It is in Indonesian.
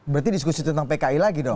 berarti diskusi tentang pki lagi dong